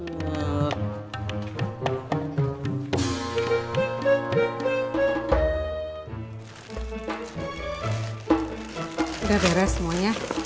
udah beres semuanya